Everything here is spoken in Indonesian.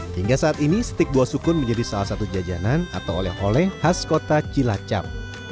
hingga saat ini stik buah sukun menjadi salah satu jajanan atau oleh oleh khas kota cilacap